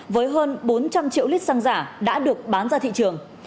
với hơn bốn trăm linh triệu lít xăng giả đã được bán ra thị trường